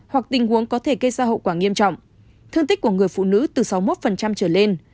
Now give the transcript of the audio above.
hoặc tình huống có thể gây ra hậu quả nghiêm trọng thương tích của người phụ nữ từ sáu mươi một trở lên